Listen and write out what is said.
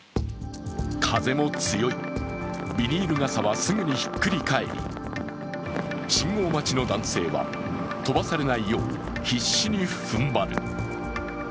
風も強い、ビニール傘はすぐにひっくり返り信号待ちの男性は飛ばされないように必死にふんばる。